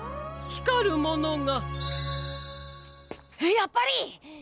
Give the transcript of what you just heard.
やっぱり！